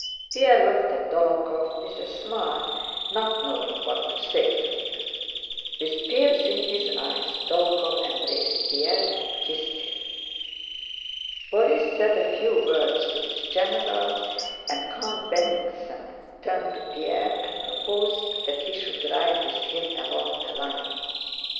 Pierre looked at Dólokhov with a smile, not knowing what to say to him. With tears in his eyes Dólokhov embraced Pierre and kissed him. Borís said a few words to his general, and Count Bennigsen turned to Pierre and proposed that he should ride with him along the line.